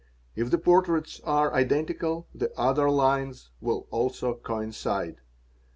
If the portraits are identical the other nes will also coincide.